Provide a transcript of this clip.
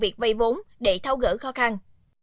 việc vây vốn để thấu gỡ khó khăn